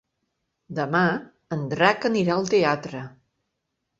Demà en Drac anirà al teatre.